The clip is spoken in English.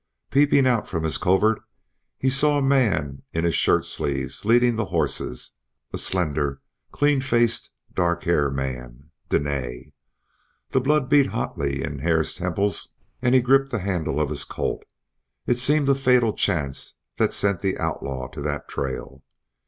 Peeping out from his covert he saw a man in his shirt sleeves leading the horses a slender, clean faced, dark haired man Dene! The blood beat hotly in Hare's temples and he gripped the handle of his Colt. It seemed a fatal chance that sent the outlaw to that trail.